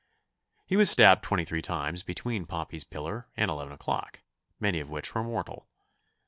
He was stabbed twenty three times between Pompey's Pillar and eleven o'clock, many of which were mortal.